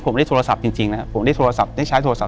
ผมได้โทรศัพท์จริงนะครับผมได้โทรศัพท์ได้ใช้โทรศัพ